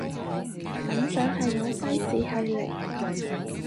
感想係我西史係零